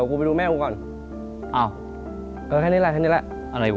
กูไปดูแม่กูก่อนอ้าวเออแค่นี้แหละแค่นี้แหละอะไรวะ